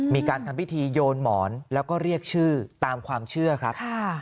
มีการทำพิธีโยนหมอนแล้วก็เรียกชื่อตามความเชื่อครับ